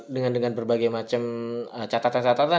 dengan berbagai macam catatan catatan